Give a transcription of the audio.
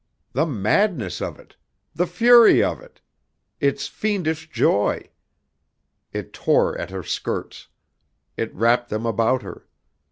The madness of it! The fury of it! Its fiendish joy! It tore at her skirts. It wrapped them about her.